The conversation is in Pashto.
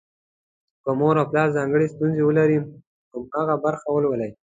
که مور او پلار ځانګړې ستونزه ولري، هماغه برخه ولولي.